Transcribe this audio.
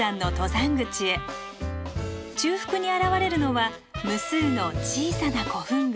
中腹に現れるのは無数の小さな古墳群。